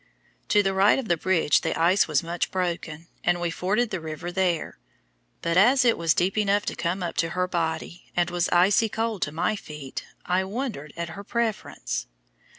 To the right of the bridge the ice was much broken, and we forded the river there; but as it was deep enough to come up to her body, and was icy cold to my feet, I wondered at her preference.